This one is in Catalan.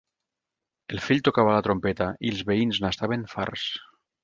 El fill tocava la trompeta i els veïns n'estaven farts.